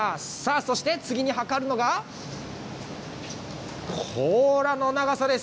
そして次に量るのが、甲羅の長さです。